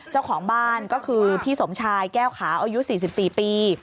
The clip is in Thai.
เจ้าของบ้านก็คือพี่สมชายแก้วขาวอายุ๔๔ปี